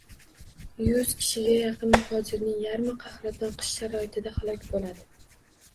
Yuz kishiga yaqin muhojirning yarmi qahraton qish sharoitida halok boʻladi